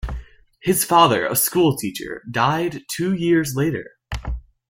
His father, a schoolteacher, died two years later.